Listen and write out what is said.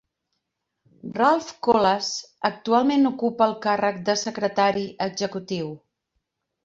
Ralph Colas actualment ocupa el càrrec de secretari executiu.